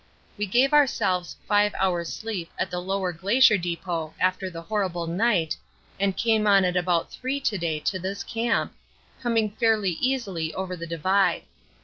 We gave ourselves 5 hours' sleep at the lower glacier depot after the horrible night, and came on at about 3 to day to this camp, coming fairly easily over the divide.